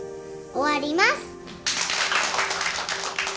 終わります。